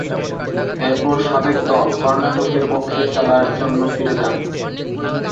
এরপর সাবেক দল কর্ণাটকের পক্ষে খেলার জন্য ফিরে যান।